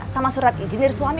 sama surat izin dari suami